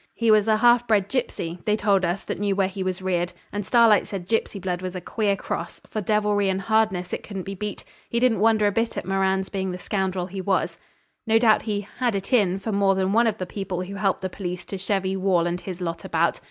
He was a half bred gipsy, they told us that knew where he was reared, and Starlight said gipsy blood was a queer cross, for devilry and hardness it couldn't be beat; he didn't wonder a bit at Moran's being the scoundrel he was. No doubt he 'had it in' for more than one of the people who helped the police to chevy Wall and his lot about.